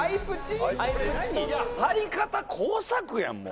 貼り方工作やんもう。